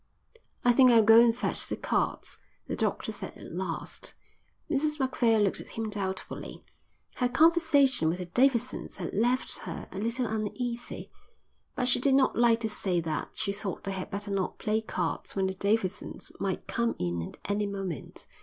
"I think I'll go and fetch the cards," the doctor said at last. Mrs Macphail looked at him doubtfully. Her conversation with the Davidsons had left her a little uneasy, but she did not like to say that she thought they had better not play cards when the Davidsons might come in at any moment.